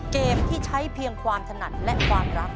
เกมที่ใช้เพียงความถนัดและความรัก